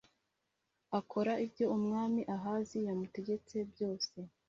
akora ibyo umwami ahazi yamutegetse byose